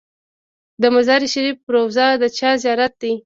د مزار شریف روضه د چا زیارت دی؟